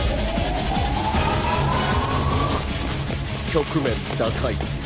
局面打開